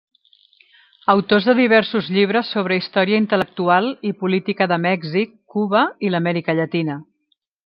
Autor de diversos llibres sobre història intel·lectual i política de Mèxic, Cuba i l'Amèrica Llatina.